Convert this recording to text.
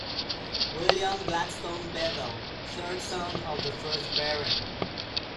William Gladstone Bethell, third son of the first Baron.